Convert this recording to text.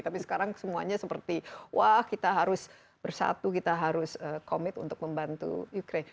tapi sekarang semuanya seperti wah kita harus bersatu kita harus komit untuk membantu ukraine